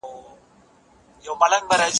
خلک د ښه کیفیت توکي غواړي.